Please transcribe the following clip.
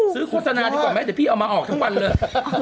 โฆษณาดีกว่าไหมเดี๋ยวพี่เอามาออกทั้งวันเลย